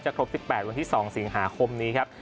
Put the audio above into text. ครบ๑๘วันที่๒สิงหาคมนี้ครับ